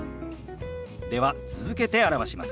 では続けて表します。